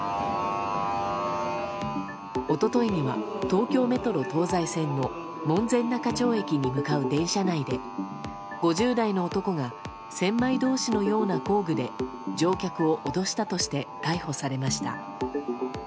一昨日には東京メトロ東西線の門前仲町駅に向かう電車内で５０代の男が千枚通しのような工具で乗客を脅したとして逮捕されました。